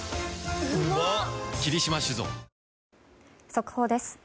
速報です。